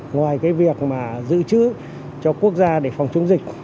ngoài cái việc mà giữ chữ cho quốc gia để phòng chống dịch